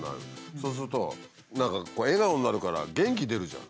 そうすると何か笑顔になるから元気出るじゃん。